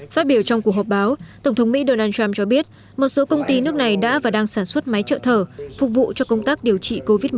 phát biểu trong cuộc họp báo tổng thống mỹ donald trump cho biết một số công ty nước này đã và đang sản xuất máy trợ thở phục vụ cho công tác điều trị covid một mươi chín